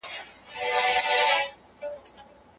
سازګاري د کورنۍ د پلار د کار یوه برخه ده.